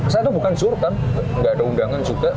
saya tuh bukan surtan nggak ada undangan juga